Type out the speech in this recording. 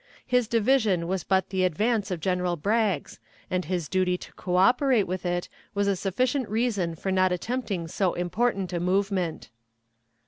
His division was but the advance of General Bragg's, and his duty to coöperate with it was a sufficient reason for not attempting so important a movement.